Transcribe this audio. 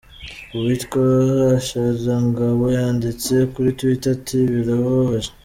Uwitwa Sharangabo yanditse kuri Twitter ati “Birababaje.